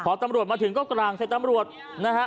พอตำรวจมาถึงก็กลางใส่ตำรวจนะฮะ